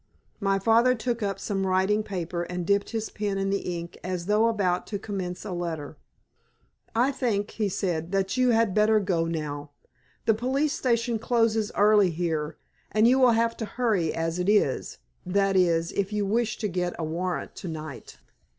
My father took up some writing paper and dipped his pen in the ink as though about to commence a letter. "I think," he said, "that you had better go now. The police station closes early here, and you will have to hurry as it is that is, if you wish to get a warrant to night."